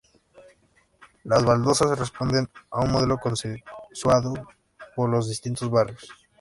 Las baldosas responden a un modelo consensuado por los distintos barrios.